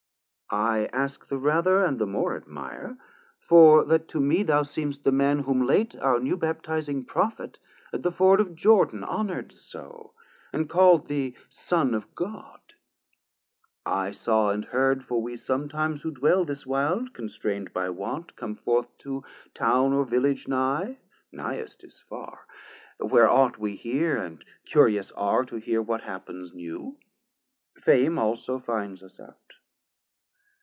I ask the rather and the more admire, For that to me thou seem'st the man, whom late Our new baptizing Prophet at the Ford Of Jordan honour'd so, and call'd thee Son Of God: I saw and heard, for we sometimes 330 Who dwell this wild, constrain'd by want, come forth To Town or Village nigh (nighest is far) Where ought we hear, and curious are to hear, What happ'ns new; Fame also finds us out.